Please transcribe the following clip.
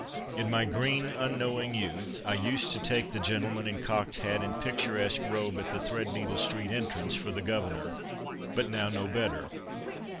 In my green luiknowing youth I used to take the gentleman in cocked hat and picturesque robe at the Threadneedle Street entrance for the Governor, but now know better.